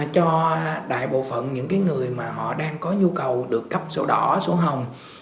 cho đại bộ phận những người mà họ đang có nhu cầu được cấp sổ đỏ sổ hồng